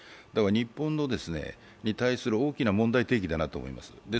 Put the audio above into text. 日本に対する大きな問題提起だと思います。